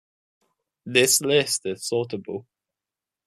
This list is sortable.